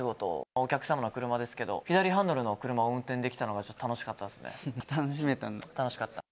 お客様の車ですけど、左ハンドルの車を運転できたのがちょっと楽楽しめたんだ。楽しかった。